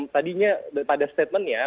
tadinya pada statementnya